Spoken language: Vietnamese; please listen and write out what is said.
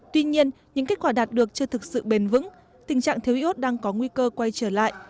tuy nhiên những kết quả đạt được chưa thực sự bền vững tình trạng thiếu iốt đang có nguy cơ quay trở lại